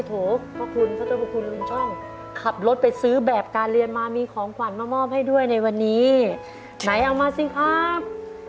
ขอโทษคุณผู้ชมขับรถไปซื้อแบบการเรียนมามีของขวัญมามอบให้ด้วยในวันนี้ไหนเอามาสิครับ